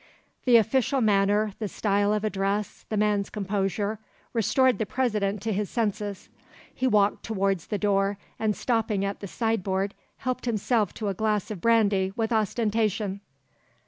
The official manner, the style of address, the man's composure, restored the President to his senses. He walked towards the door and stopping at the sideboard helped himself to a glass of brandy with ostentation.